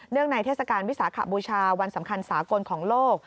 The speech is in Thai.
ในเทศกาลวิสาขบูชาวันสำคัญสากลของโลก